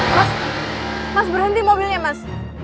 mas mas berhenti mobilnya mas